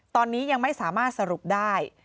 ตอนนี้ยังไม่สามารถสรุปได้